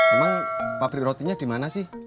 emang pabrik rotinya dimana sih